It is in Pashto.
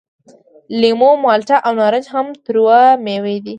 لیمو، مالټه او نارنج هم تروه میوې دي.